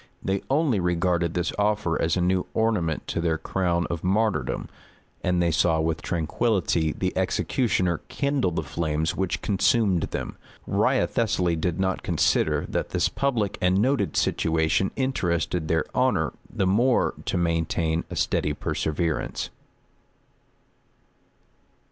They only regarded this offer as a new ornament to their crown of martyrdom; and they saw with tranquillity the executioner kindle the flames which consumed them. Wriothesely did not consider, that this public and noted situation interested their honor the more to maintain a steady perseverance.